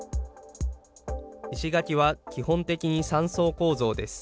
石垣は基本的に３層構造です。